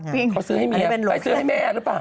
ไปซื้อให้แม่หรือเปล่า